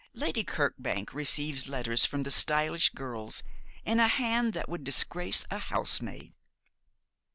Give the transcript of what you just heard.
Lady Kirkbank receives letters from stylish girls in a hand that would disgrace a housemaid.'